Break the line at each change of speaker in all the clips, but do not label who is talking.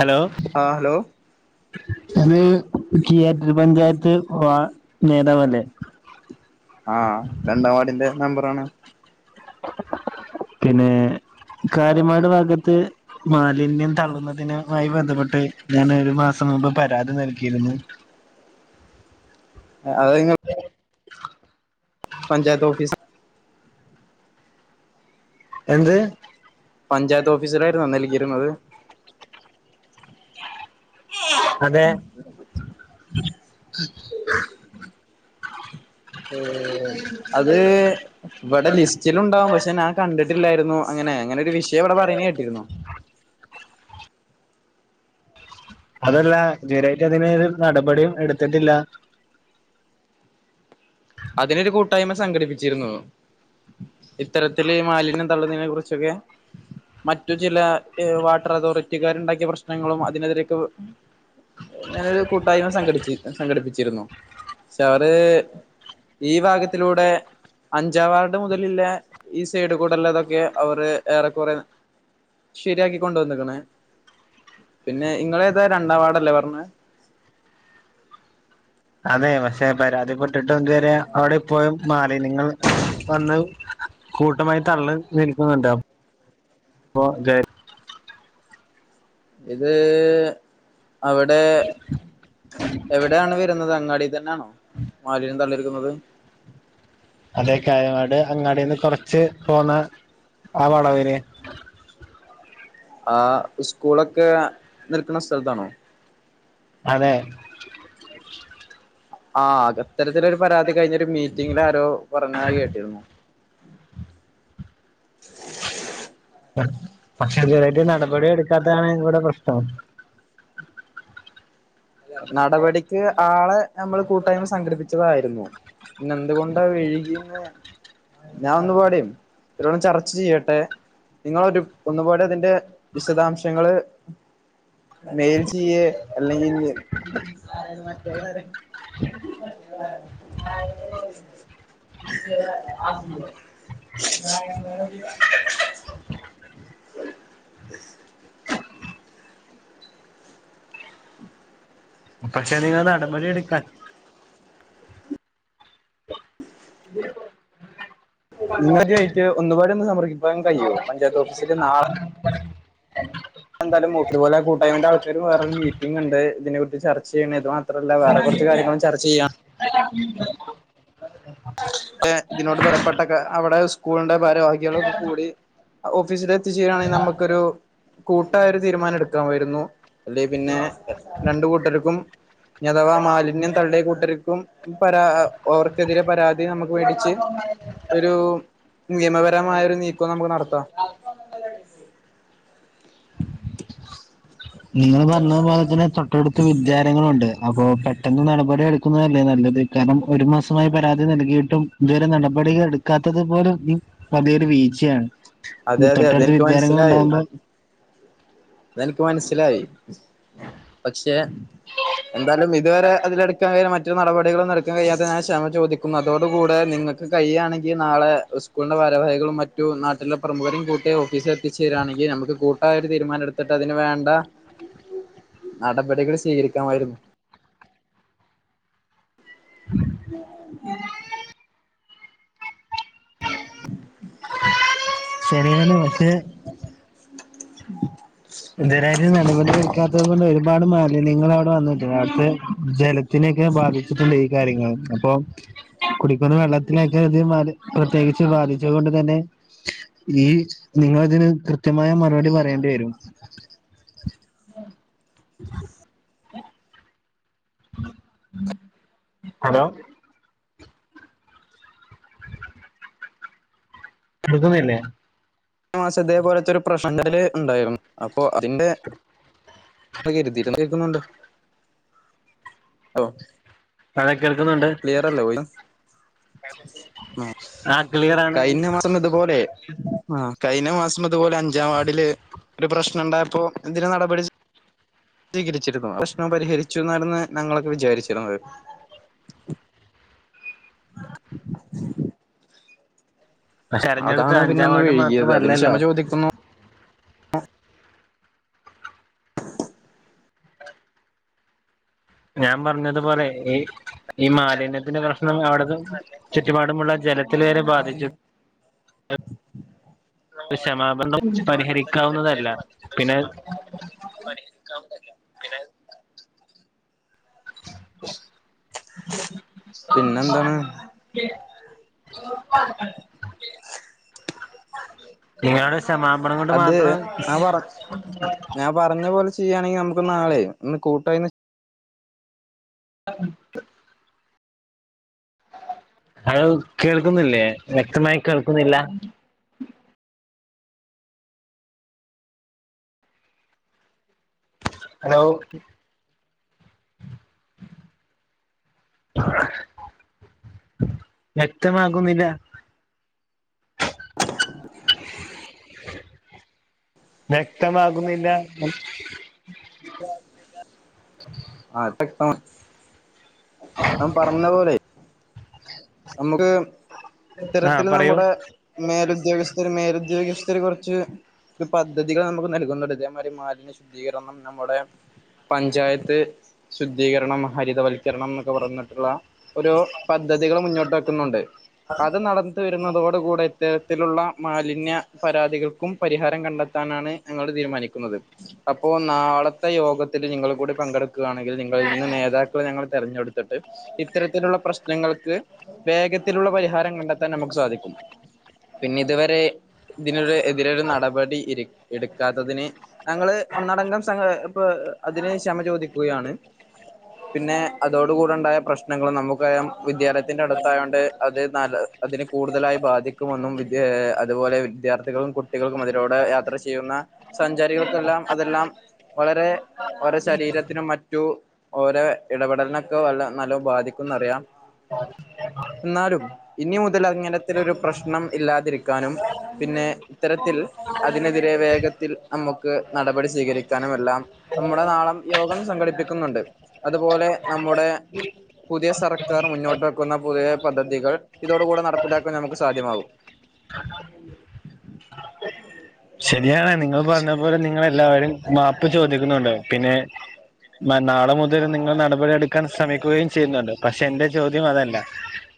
ലൊ ആഹ് ഹലോ
അത് കീയാറ്റൂർ പഞ്ചായത്ത് വാ നേതാവല്ലേ
ആഹ് രണ്ടാം വാർഡിന്റെ മെമ്പറാണ്
പിന്നെ കാരിമാട് ഭാഗത്ത് മാലിന്യം തള്ളുന്നതിനുമായി ബന്ധപ്പെട്ട് ഞാന് ഒരു മാസം മുമ്പ് പരാതി നൽകിയിരുന്നു
ആഹ് അതെ നിങ്ങൾ പഞ്ചായത്ത് ഓഫീസ്
എന്ത്
പഞ്ചായത്ത് ഓഫീസിലാരുന്നോ നൽകി ഇരുന്നത്
അതെ
[inaudible] ഏഹ് അത് ഇവിടെ ലിസ്റ്റിലുണ്ടാവും പക്ഷേ ഞാൻ കണ്ടിട്ടില്ലായിരുന്നു അങ്ങനെ അങ്ങനെ ഒരു വിഷയം ഇവിടെ പറയ്ണെ കേട്ടിരുന്നു
അതല്ല ജരേറ്റ് അതിന് ഒരു നടപടിയും എടുത്തിട്ടില്ല
അതിനൊരു കൂട്ടായ്മ സംഘടിപ്പിച്ചിരുന്നു ഇത്തരത്തില് മാലിന്യം തള്ളുന്നതിനെ കുറിച്ചൊക്കെ മറ്റു ചില വാട്ടർ ഏഹ് അതോറിറ്റിക്കാര് ഇണ്ടാക്കിയ പ്രശ്നങ്ങളും അതിനെതിരൊക്കെ ഇങ്ങനൊരു കൂട്ടായ്മ സംഘടിച്ചി സംഘടിപ്പിച്ചിരുന്നു പക്ഷേ അവര് ഈ ഭാഗത്തിലൂടെ അഞ്ചാംവാർഡ് മുതലില്ലേ ഈ സൈഡ് കൂട് ഇല്ലതൊക്കെ അവര് ഏറെക്കൊറേ ശരിയാക്കി കൊണ്ട് വന്നിക്ക്ണ് പിന്നെ ഇങ്ങളേതാ രണ്ടാം വാർഡല്ലേ പർണ്ണേ
അതെ പക്ഷേ പരാതിപെട് ഇട്ടിട്ടു എന്തേരെ അവിടെ ഇപ്പോഴും മാലിന്യങ്ങൾ വന്ന് കൂട്ടമായി തള്ള് നിൽക്കുന്നുണ്ട് അപ്പോ ദേ
ഇത് അവടെ എവടെയാണ് വരുന്നത് അങ്ങാടിൽ തന്നെയാണോ മാലിന്യം തള്ളരുത് എന്നുള്ളത്
അതെ കായങ്ങാട് അങ്ങാടിന്ന് കൊറച്ച് പോന്ന് ആ വളവില്
ആഹ് ഉസ്കൂളൊക്കെ നിൽക്കുന്ന സ്ഥലത്താണോ
അതെ
ആഹ് അത്തരത്തിലൊരു പരാതി കഴിഞ്ഞൊരു മീറ്റിങ്ങില് ആരോ പറഞ്ഞാതായി കേട്ടിരുന്നു
പക്ഷേ ഇതുവരെ ആയിട്ട് നടപടി എടുക്കാത്താണ് ഇവിടെ പ്രശ്നം
നടപടിക്ക് ആളെ ഞമ്മള് കൂട്ടായ്മ സംഘടിപ്പിച്ചതായിരുന്നു പിന്നെ എന്തുകൊണ്ടാ വെഴികീന്ന് ഞാൻ ഒന്ന് പാടേം ഇതൊന്ന് ചർച്ച ചെയ്യട്ടെ നിങ്ങളൊരു ഒന്നുപോലെ ഇതിന്റെ വിശദാംശങ്ങള് മെയിൽ ചെയ്യേ അല്ലെങ്കിൽ എ ആരത് മറ്റേതാര് [unintelligible] [unintelligible] [inaudible]
പക്ഷേ നിങ്ങൾ നടപടി എടുക്കാൻ
നിങ്ങള് അദ്യവെയിക്ക് ഒന്നുപോലെ ഒന്ന് സമർക്കിപ്പാൻ കൈയോ പഞ്ചായത്ത് ഓഫിസില് നാള
[inaudible]
എന്താലും മൂതൃപോലെ കൂട്ടായ്മന്റെ ആൾക്കാര് വേറൊരു മീറ്റിംഗ് ഇണ്ട് ഇതിനെ കുറിച്ച് ചർച്ചേയുന്ന ഇതോ അത്രല്ല വേറെ കുറച്ച് കാര്യങ്ങളും ചർച്ച യ്യാം ഇതിനോട്്പറയപ്പെട്ടൊക്കെ അവിടെ സ്കൂളിന്റെ ഭാരവാഹികളും കൂടി ഓഫീസിലെത്തിചേരാണെങ്കിൽ നമുക്കൊരു കൂട്ടായ ഒരു തീരുമാനം എടുക്കാൻമായിരുന്നു അല്ല പിന്നെ രണ്ട് കൂട്ടർക്കും അഥവാ മാലിന്യം തള്ളി കൂട്ടർക്കും പരാ അവർക്കെതിരെ പരാ തി നമുക്ക് വേടിച്ച് ഒരു നിയമപരമായ ഒരു നീക്കം നമുക്ക് നടത്താം
ഇങ്ങള് പറഞ്ഞതു പോലെ തന്നെ തൊട്ടടുത്ത് വിദ്യാലയങ്ങളുംണ്ട് അപ്പോ പെട്ടെന്ന് നടപടി എടുക്കുന്നതല്ലേ നല്ലത് കാരണം ഒരു മാസമായി പരാതി നൽകിയിട്ട് ട്ടും ഇതുവരെ നടപടികൾ എടുക്കാത്തത് പോലും പതി യൊരു വീഴ്ചയാണ്
അതെ അതെ
തൊട്ടടുത്ത്
അതെനിക്ക്
വിദ്യാലയങ്ങൾ
മനസ്സിലായി
ഉണ്ടാകുമ്പോൾ
അതെനിക്ക് മനസ്സിലായി പക്ഷെ എന്താലും ഇത് വരെ അതിലെടുക്കാൻ കഴിയും മറ്റൊ നടപടികളൊന്നും എടുക്കൻ കഴിയാത്ത ഞാ ക്ഷമ ചോദി ക്കുന്നു അതോട കൂടെ നിങ്ങൾക്ക് കഴിയുകയാണെങ്കിൽ നാളെ സ്കൂളിന്റെ ഭാരവാഹികളും മറ്റു നാ ട്ടിലെ പ്രമുഖരും കൂട്ടി ഓഫീസിൽ എത്തിച്ചേരാണെങ്കിൽ നമുക്ക് കൂട്ടായ ഒരു തീരുമാനം എടുത്തിട്ട് അതിന് വേണ്ട നടപടികൾ സ്വീകരിക്കാമായിരുന്നു
ഞാന് പക്ഷേ ഇതുരാ നടപടി എടുക്കാത്തത് കൊണ്ട് ഒരുപാട് മാലിന്യങ്ങൾ അവിടെ വന്നിട്ടുണ്ട് അവിടുത്തെ ജല ത്തിനെയൊക്കെ ബാധിച്ചിട്ടുണ്ട് ഈ കാര്യങ്ങൾ അപ്പൊ കുടിക്കുന്ന വെള്ളത്തിലൊക്കെ അത് പ്രത്യേകിച്ച് ബധിച്ചത് കൊണ്ട് തന്നെ ഈ നിങ്ങളതിന് കൃത്യമായ മറുപടി പറയേണ്ടി വരും ഹലോ കേക്കുന്നില്ലേ
മാസ ഇതേപോലത്തെ ഒരു പ്രശ്ന ഉണ്ടായിരുന്നു അപ്പൊ അതിൻ്റെ കരുതിട്ട [unintelligible] കേക്കുന്നുണ്ടോ
അതെ കേൾക്കുന്നുണ്ട് ആ ക്ലിയർ ആണ്
കഴിഞ്ഞ മാസം ഇതുപോലെ ആഹ് കഴിഞ്ഞ മാസം അതുപോലെ അഞ്ചാം വാഡില് ഒരു പ്രശ്നം ഉണ്ടായപ്പോ എന്തിന് നടപടി സ്വീകരിച്ചിരുന്നു പ്രശ്നം പരിഹരിച്ചു ന്നാണ് ഞങ്ങളൊക്കെ വിചാരിച്ചിരുന്നത്
പക്ഷെ തെരഞ്ഞെടുത്ത
അതാണ് പിന്നെ
അഞ്ചാം
ഒന്ന്
വാർഡ്
വഴുകിയത് അതിന്
മാത്രമല്ലല്ലോ
ക്ഷമ ചോദി
ഞാൻ പറഞ്ഞതുപോലെ ഈ മാലിന്യത്തിന്റെ പ്രശ്നം അവിടത്തെ ചുറ്റുപാടുമുള്ള ജലത്തിൽ വരെ ബാധിച്ചു ക്ഷമാപരണംം പരിഹരിക്കാവുന്നതല്ല പിന്നെ
പണിയെക്കാവ [unintelligible] ത പിന്നെ പിന്നെ എന്താണ്
ഇയാളുടെ ക്ഷമാപണംം കൊണ്ട്
അത്
മാത്രം
ഞാൻ പറ ഞാൻ പറഞ്ഞ പോലെ ചെയ്യാണെങ്കി നമക്ക് നാളെ ഒന്ന് കൂട്ടായിന്ന്
ആഹ് ഹലോ കേൾക്കുന്നില്ലേ? വ്യക്തമായി കേൾക്കുന്നില്ല? ഹലോ വ്യക്തമാകുന്നില്ല. വ്യക്തമാകുന്നില്ലാന്ന്
[unintelligible] ഞാൻ പറഞ്ഞ പോലെയ് ഞമക്ക്
ആ
ഇത്തരത്തില്
പറയൂ
നമ്മടെ മേലുദ്യോഗസ്ഥര് മേലുദ്യോഗസ്ഥര് കൊറച്ച് ക്ക് പദ്ധതികള് നമക്ക് നൽകുന്നുണ്ട് ഇതേ മായിരി മാലിന്യ ശുദ്ധീകരണം നമ്മുടെ പഞ്ചായത്ത് ശുദ്ധീകരണം ഹരിതവൽക്കരണം ന്നൊക്കെ പറഞ്ഞിട്ട്ള്ള ഒരു പദ്ധതികള് മുന്നോട്ട് വെക്കുന്നുണ്ട് അത് നട ന്ന് വരുന്നതോട് കൂടെ ഇത്തരത്തിലുള്ള മാലിന്യ പരാതികൾക്കും പരിഹാരം കണ്ടെത്താനാണ് ഞങ്ങള് തീരുമാനിക്കുന്നത് അപ്പോ നാളത്തെ യോഗത്തില് നിങ്ങള് കൂടി പങ്കെട് ക്കാണെങ്കിൽ നിങ്ങളിൽ നിന്ന് നേതാക്കളെ ഞങ്ങള് തെരഞ്ഞെടുത്തിട്ട് ഇത്തരത്തിലുള്ള പ്രശ്നങ്ങൾക്ക് വേഗത്തിലുള്ള പരിഹാരം കണ്ടെ ത്താൻ നമക്ക് സാധിക്കും. പിന്നെ ഇത് വരെ ഇതിനൊരു എതിരൊരു നടപടി ഇരി എട്ക്കാത്തതിന് ഞങ്ങള് ഒന്നടങ്കം സഹ ഇപ്പൊ അതിന് ക്ഷമ ചോദി ക്കാണ് പിന്നെ അതോട് കൂടെ ണ്ടായ പ്രശ്നങ്ങള് നമക്കറിയാം വിദ്യാലയ ത്തിൻ്റട്ത്തായൊണ്ട് അത് നല്ല അതിനെ കൂടുതലായി ബാധിക്കുമെന്നും വിദ്യാ അത്പോലെ വിദ്യാർത്ഥികളും കു ട്ടികൾക്കും അതിലൂടെ യാത്ര ചെയ്യുന്ന സഞ്ചാരികൾക്കെല്ലാം അതെല്ലാം വളരെ അവരെ ശരീര മറ്റു ഓരോ ഇടപെടൽനൊക്കെ വല്ല നല്ലോം ബാധിക്കുന്നറിയാം എന്നാലും ഇനി മുതൽ അങ്ങനെത്തൊരുരു പ്രശ്നം ഇല്ലാതിരിക്കാനും പിന്നെ ഇത്തരത്തിൽ അതിനെതിരെ വേഗത്തിൽ അമ്മക്ക് നടപടി സ്വീകരിക്കാനുമെല്ലാം അമ്മുടെ നാളം യോഗം സംഘടിപ്പിക്കുന്നുണ്ട് അത്പോലെ നമ്മുടെ പുതിയ സർക്കാർ മുന്നോട്ട് വെക്കുന്ന പുതിയ പദ്ധതികൾ ഇതോട് കൂടെ നടപ്പിലാക്കാൻ നമുക്ക് സാധ്യമാകും.
ശെര്യാണ് നിങ്ങൾ പർഞ്ഞ പോലെ നിങ്ങളെല്ലാരും മാപ്പ് ചോദിക്കുന്നുണ്ടാവും പിന്നെ മ നാളെ മുതൽ നിങ്ങൾ നടപടി എട്ക്കാൻ ശ്രമിക്കുകയും ചെയ്യുന്നുണ്ട് പക്ഷെ എന്റെ ചോദ്യം അതല്ല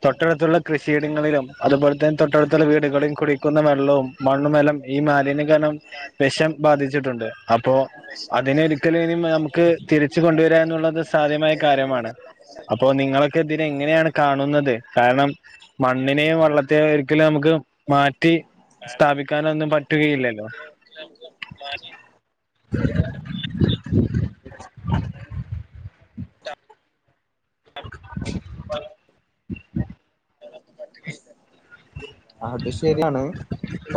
തൊട്ടട്ത്തുള്ള കൃഷിയിടങ്ങളിലും അതുപോലെ തെൻ തൊട്ടട്ത്തുള്ള വീടുകളിൽ കുടിക്കുന്ന വെള്ളവും മണ്ണുമെല്ലാം ഈ മാ ലിന്യം കാരണം വെഷം ബാധിച്ചിട്ടുണ്ട് അപ്പോ അതിനൊരിക്കലും ഇനി നമക്ക്. തിരിച്ച് കൊണ്ടുവരുക ന്നുള്ളത് സാധ്യമായ കാര്യമാണ്. അപ്പോ നിങ്ങളൊക്കെ ഇതിനെ എങ്ങനെയാണ് കാണുന്നത്? കാരണം മണ്ണിനെയും വെള്ള ത്തെ ഒരിക്കലും നമക്ക് മാറ്റി സ്ഥാപിക്കാനൊന്നും പ റ്റുകയില്ലല്ലോ
[unintelligible]
[unintelligible]
അത് ശെര്യാണ്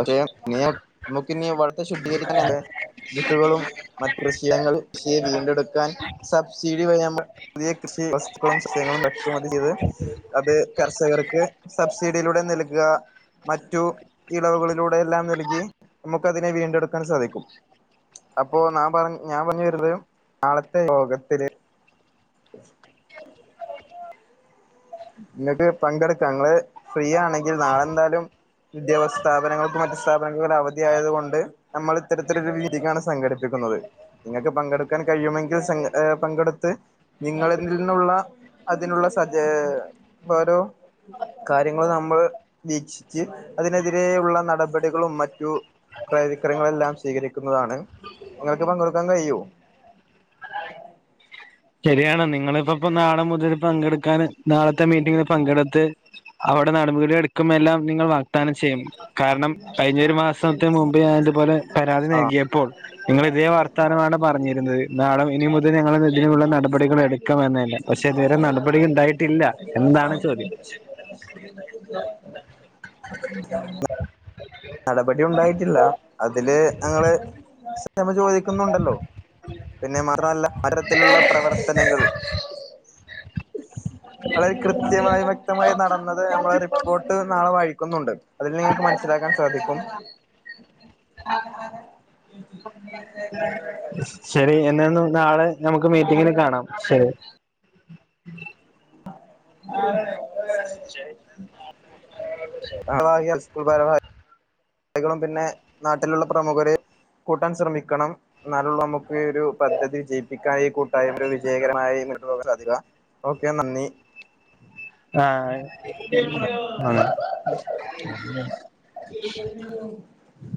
[unintelligible] നമുക്ക് നി വെള്ളത്തെ ശുദ്ധീകരിക്കാൻ [unintelligible] വിത്തുകളും മറ്റു കൃഷിയങ്ങൾ കൃഷിയെ വീണ്ടെടുക്കാൻ സബ്സിഡി വഴി നമ്മൾ പുതിയ കൃഷി വസ്തുക്കളും സസ്യങ്ങളും ഇറക്കുമതി ചെയ്ത് അത് കർഷകർക്ക് സബ്സിഡിയിലൂടെ നല് കാ മറ്റു ഇളവുകളിലൂടെ എല്ലാം നൽകി നമുക്ക് അതിനെ വീണ്ടെടുക്കാൻ സാധിക്കും അപ്പൊ ന്നാ പറഞ്ഞ് ഞാൻ പറഞ്ഞു വരുന്നത് നാളത്തെ യോഗത്തില് [inaudible] ന്നിട്ട് പങ്കെടുക്കാ ഇങ്ങള് ഫ്രീ ആണെങ്കിൽ നാളെ എന്തായാലും വിദ്യാഭ്യാസ സ്ഥാപനങ്ങൾക്കും മറ്റു സ്ഥാപനങ്ങളും അവധിയായതു കൊണ്ട് നമ്മള് ഇത്തരത്തിലൊരു രീതിക്കാണ് സംഘടിപ്പിക്കുന്നത് ഇങ്ങക്ക് പങ്കെടുക്കാൻ കഴിയുമെങ്കിൽ സൻ പങ്കെടുത്ത് നിങ്ങളെതിൽ നിന്നുള്ള അതിനുള്ള സജ്ജേ ഓരോ കാര്യങ്ങൾ നമ്മൾ വീക്ഷിച്ച് അതിനെതിരെയുള്ള നടപടികളും മറ്റു ക്രയ വിക്രയങ്ങളെല്ലാം സ്വീകരിക്കുന്നതാണ് നിങ്ങക്ക് പങ്കെടുക്കാൻ കഴിയോ
ശരിയാണ് നിങ്ങളിപ്പ ഇപ്പ നാളെ മുതൽ പങ്കെടുക്കാന് നാളത്തെ മീറ്റിങ്ങില് പങ്കെടുത്ത് അവടെ നടപടി എടുക്കുമ്പോ എല്ലാംനിങ്ങൾ വേണം വാക്ദാനം ചെയ്യും കാരണം കഴിഞ്ഞൊരു മാസത്തി മുമ്പേ ഞാൻ ഇതുപോലെ പരാതി
ആഹ്
നൽകിയപ്പോൾ നിങ്ങള് ഇതേ വർത്താനമാണ് പറഞ്ഞിരുന്നത് നാളെ ഇനി മുതൽ ഞങ്ങൾ ഇതിനുള്ള നടപടികൾ എട് ക്കും എന്നന്നെ പക്ഷെ ഇതുവരെ നടപടി ഉണ്ടായിട്ടില്ല എന്നാണ് ചോദ്യം [inaudible]
[unintelligible] നടപടി ഉണ്ടായിട്ടില്ല അതില് ഞങ്ങള് ക്ഷമ ചോദിക്കുന്നുണ്ടല്ലോ പിന്നെ [unintelligible] മരത്തിലുള്ള പ്രവർത്തനങ്ങൾ അതായ കൃത്യമായി വ്യക്തമായി നടന്നത് നമ്മളൊരു റിപ്പോട്ട് നാളെ വാഴിക്കുന്നുണ്ട് അതിൽ നിങ്ങക്ക് മനസ്സിലാക്കാൻ സാധിക്കും
[unintelligible] ശരി എന്നെ ഒന്ന് നാളെ നമുക്ക് മീറ്റിങ്ങന് കാണാം ശരി
[unintelligible] സ്കൂൾ ഭാര ളികളും പിന്നെ നാട്ടിലുള്ള പ്രമുഖരെ കൂട്ടാൻ ശ്രമിക്കണം എന്നാലെ ഒള്ളു അമ്മക്ക് ഒരു പദ്ധതി വിജയിപ്പിക്കാൻ ഈ കൂട്ടായ്മ വിജയകരമായിമുന്നോട്ട് പോവാൻ സാധിക്ക ഓക്കെ നന്ദി
[unintelligible]